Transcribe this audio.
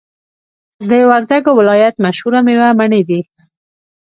د وردګو ولایت مشهوره میوه مڼی دی